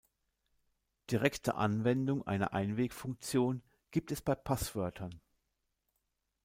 Direkte Anwendung einer Einwegfunktion gibt es bei Passwörtern.